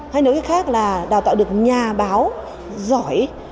hay nói cái khác là đào tạo được nhà báo giỏi